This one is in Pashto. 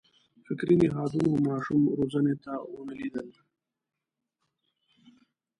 فکري نهادونو ماشوم روزنې ته ونه لېدل.